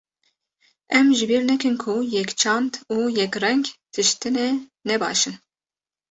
Em ji bîr nekin ku yekçand û yekreng tiştine ne baş in.